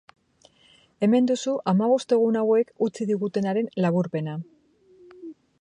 Hemen duzu hamabost egun hauek utzi digutenaren laburpena.